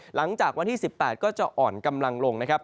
หลังจากวันที่๑๘ก็จะอ่อนกำลังลงนะครับ